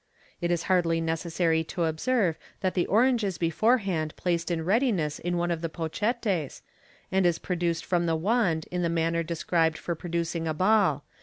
(It is hardly necessary to observe that the orange is beforehand placed in readi ness in one of the pochettes, and is produced from the wand in the manner described for producing a ball.